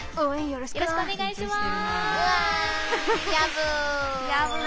よろしくお願いします。